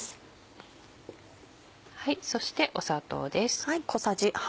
そして砂糖です。